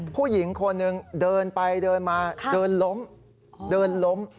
ผู้หญิงคนหนึ่งเดินไปเดินมาเดินล้มเดินล้ม